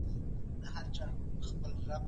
زه له سهاره قلمان کاروم،